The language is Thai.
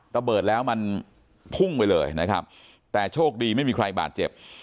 ระเบิดแล้วมันพุ่งไปเลยนะครับแต่โชคดีไม่มีใครบาดเจ็บ